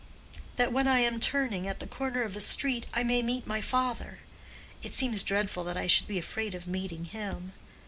"That when I am turning at the corner of a street I may meet my father. It seems dreadful that I should be afraid of meeting him.